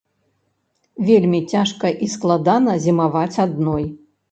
Вельмі цяжка і складана зімаваць адной.